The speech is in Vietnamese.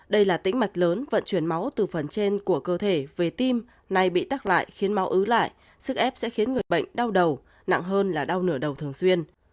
đây là tĩnh mạch lớn vận chuyển máu từ phần trên của cơ thể về tim nay bị tắc lại khiến máu ứ lại sức ép sẽ khiến người bệnh đau đầu nặng hơn là đau nửa đầu thường xuyên